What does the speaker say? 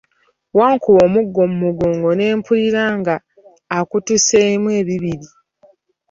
Wankuba omuggo mugongo ne mpulira nga akutuseemu ebibiri.